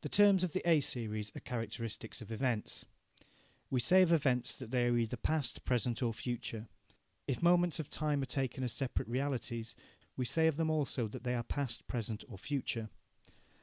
The terms of the A series are characteristics of events. We say of events that they are either past, present, or future. If moments of time are taken as separate realities, we say of them also that they are past, present, or future.